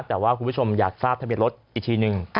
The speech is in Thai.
แต่ว่าคุณผู้ชมอยากทราบทะเบียนรถอีกทีนึง